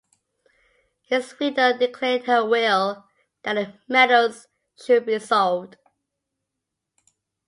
His widow declared in her will that the medals should be sold.